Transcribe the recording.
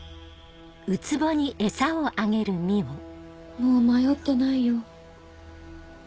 もう迷ってないよ。